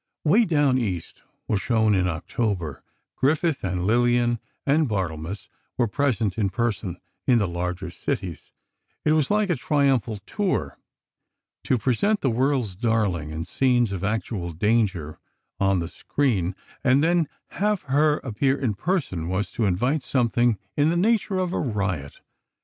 "Way Down East" was shown in October. Griffith, with Lillian and Barthelmess, were present in person, in the larger cities. It was like a triumphal tour. To present the "world's darling" in scenes of actual danger, on the screen, and then have her appear in person, was to invite something in the nature of a riot.